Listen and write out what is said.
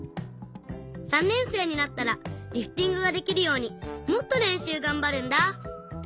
３年生になったらリフティングができるようにもっとれんしゅうがんばるんだ！